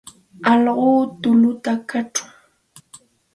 Alqu tulluta kachun.